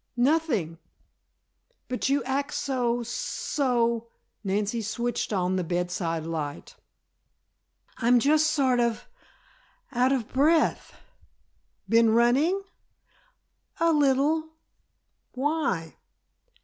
"Nothing." "But you act so so " Nancy switched on the bedside light. "I'm just sort of out of breath." "Been running?" "A little." "Why?"